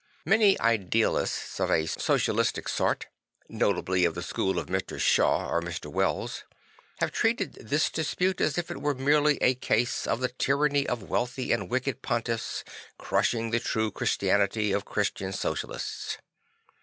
Many idealists of a social 174 St. Francis of Assisi istic sort, notably of the school of ?vIr. Shaw or Mr. Wells, have treated this dispute as if it were merely a case of the tyranny of wealthy and wicked pontiffs crushing the true Christianity of Christian Socialists.